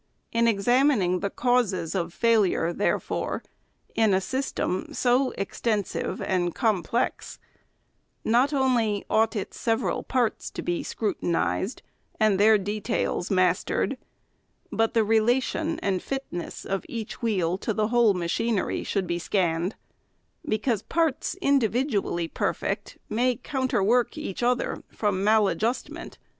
In exam ining the causes of failure, therefore, in a system so ex tensive and complex, not only ought its several parts to be scrutinized and their details mastered, but the relation and fitness of each wheel to the whole machinery should be scanned ; because parts, individually perfect, may counterwork each other from mal adjustment.